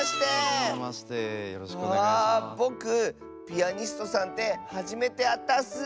ぼくピアニストさんってはじめてあったッス。